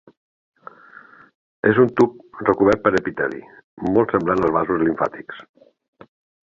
És un tub recobert per epiteli, molt semblant als vasos limfàtics.